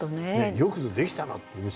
よくぞできたなって。